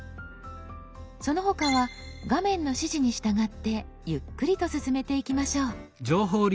その他は画面の指示に従ってゆっくりと進めていきましょう。